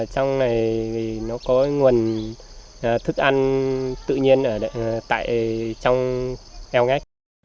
trong này nó có nguồn thức ăn tự nhiên trong eo ngách